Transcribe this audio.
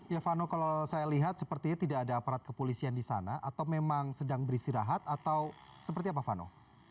ya vano kalau saya lihat sepertinya tidak ada aparat kepolisian di sana atau memang sedang beristirahat atau seperti apa vano